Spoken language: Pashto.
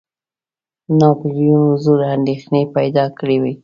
ناپولیون حضور اندېښنې پیدا کړي وې.